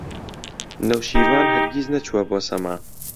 نەوشیروان هەرگیز نەچووە بۆ سەما.